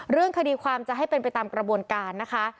เรื่องคดีความจะให้เป็นไปตามกระบวนการนะคะ